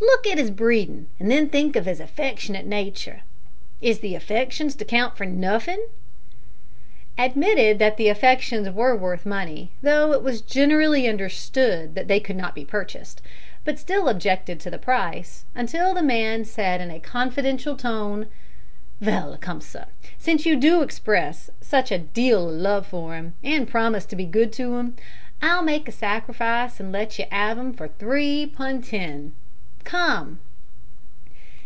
Look at his breedin', and then think of his affectionate natur'. Is the affections to count for nuffin'?" Admitted that the affections were worth money, though it was generally understood that they could not be purchased, but still objected to the price, until the man said in a confidential tone "Vell, come, sir, since you do express such a deal o' love for 'im, and promise to be so good to 'im, I'll make a sacrifice and let you 'ave 'im for three pun ten come!"